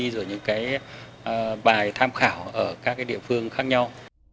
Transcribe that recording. rồi những cái bài tham khảo ở các cái địa phương khác nhau